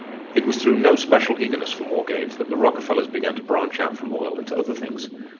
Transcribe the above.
It was through no special eagerness for more gains that the Rockefellers began to branch out from oil into other things.